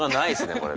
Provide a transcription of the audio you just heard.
これね。